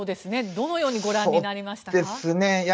どのようにご覧になりましたか。